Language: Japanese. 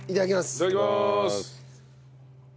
いただきます！